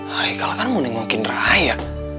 haikal kan mau jengukin raya